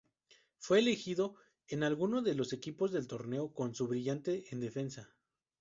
Fue elegido en alguno de los equipos del torneo, con su brillante en defensa.